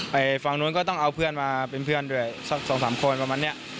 ฝั่งนู้นก็ต้องเอาเพื่อนมาเป็นเพื่อนด้วยสักสองสามคนประมาณนี้